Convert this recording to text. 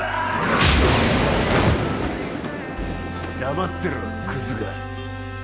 黙ってろクズが。